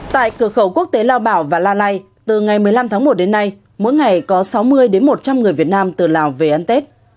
tại cửa khẩu quốc tế lao bảo và la lai từ ngày một mươi năm tháng một đến nay mỗi ngày có sáu mươi một trăm linh người việt nam từ lào về ăn tết